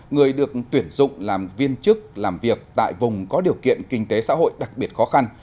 người được tuyển dụng làm viên chức làm việc tại vùng có điều kiện kinh tế xã hội đặc biệt khó khăn